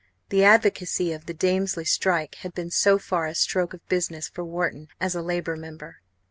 The advocacy of the Damesley strike had been so far a stroke of business for Wharton as a Labour Member.